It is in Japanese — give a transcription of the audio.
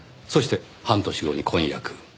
そして半年後に婚約。